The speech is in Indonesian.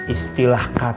istilah kata ya